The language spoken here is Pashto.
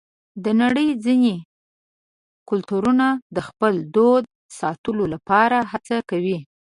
د نړۍ ځینې کلتورونه د خپل دود ساتلو لپاره هڅه کوي.